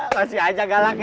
masih aja galak ya